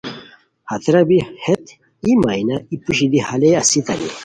ہتیرا بی ہیت ای مینا ای پوشی دی ہالے اسیتانی